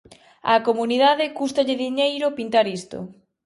Á comunidade cústalle diñeiro pintar isto.